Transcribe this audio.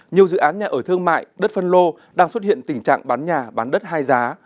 nhiều dự án nhà ở thương mại đất phân lô đang xuất hiện tình trạng bán nhà bán đất hai giá